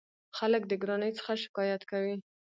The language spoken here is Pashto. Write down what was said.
خلک د ګرانۍ څخه شکایت کوي.